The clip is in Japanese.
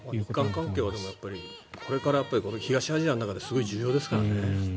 日韓関係はこれから東アジアの中ですごい重要ですからね。